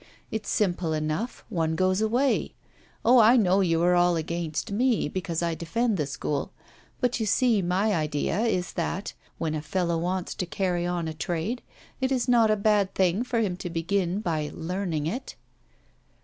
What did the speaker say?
It's simple enough, one goes away Oh, I know you are all against me, because I defend the School. But, you see, my idea is that, when a fellow wants to carry on a trade, it is not a bad thing for him to begin by learning it.